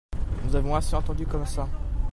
Nous avons assez attendu comme ça.